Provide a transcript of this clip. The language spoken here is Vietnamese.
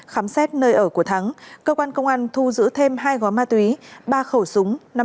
khám xét nơi ở của thắng cơ quan công an thu giữ thêm hai gói ma túy ba khẩu súng